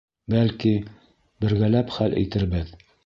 Бәлки, бергәләп хәл итербеҙ.